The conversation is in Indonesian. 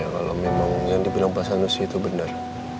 ya kalau memang yang dibilang pasal nusih itu benar